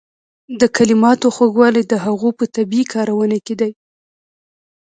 د کلماتو خوږوالی د هغوی په طبیعي کارونه کې دی.